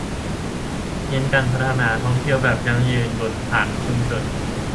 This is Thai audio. เน้นการพัฒนาการท่องเที่ยวแบบยั่งยืนบนฐานชุมชน